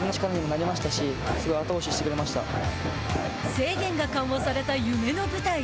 制限が緩和された夢の舞台。